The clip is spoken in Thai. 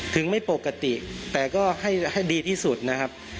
ไม่ปกติแต่ก็ให้ดีที่สุดนะครับ